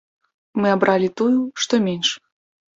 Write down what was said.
Мы абралі тую, што менш.